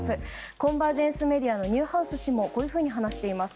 コンバージェンス・メディアのニューハウス氏もこういうふうに話しています。